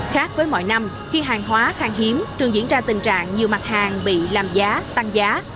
khác với mọi năm khi hàng hóa khang hiếm thường diễn ra tình trạng nhiều mặt hàng bị làm giá tăng giá